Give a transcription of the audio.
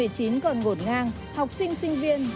còn ngột ngang học sinh sinh viên